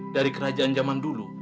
dari kerajaan zaman dulu